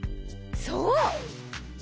そう！